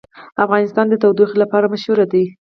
افغانستان د تودوخه لپاره مشهور دی.